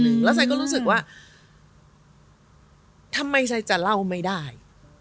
แล้วฉันก็รู้สึกว่าทำไมฉันจะเล่าไม่ได้